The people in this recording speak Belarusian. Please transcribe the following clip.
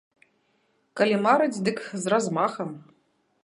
Калі марыць, дык з размахам.